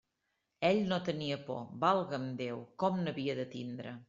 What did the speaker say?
Ell no tenia por, valga'm Déu!, com n'havia de tindre?